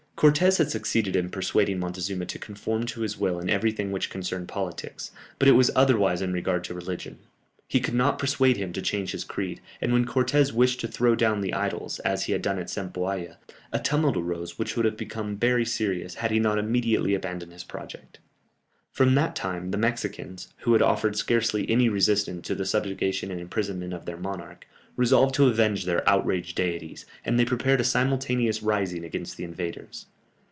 Cortès had succeeded in persuading Montezuma to conform to his will in everything which concerned politics, but it was otherwise in regard to religion. He could not persuade him to change his creed, and when Cortès wished to throw down the idols, as he had done at Zempoalla, a tumult arose which would have become very serious, had he not immediately abandoned his project. From that time the Mexicans, who had offered scarcely any resistance to the subjugation and imprisonment of their monarch, resolved to avenge their outraged deities, and they prepared a simultaneous rising against the invaders.